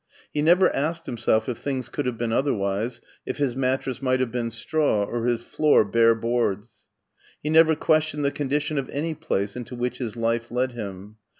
He never asked himself if things could have been otherwise, if his mattress might have been straw or his floor bare boards. He never questioned the condition of any place into which his life led him.